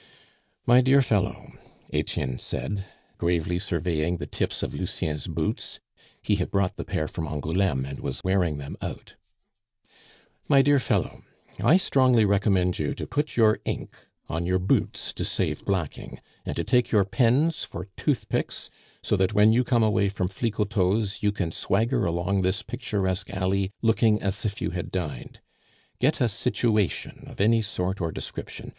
"My dear fellow," Etienne said, gravely surveying the tips of Lucien's boots (he had brought the pair from Angouleme, and was wearing them out). "My dear fellow, I strongly recommend you to put your ink on your boots to save blacking, and to take your pens for toothpicks, so that when you come away from Flicoteaux's you can swagger along this picturesque alley looking as if you had dined. Get a situation of any sort or description.